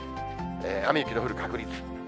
雨、雪の降る確率。